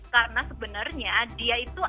karena sebenarnya dia itu